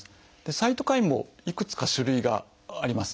サイトカインもいくつか種類があります。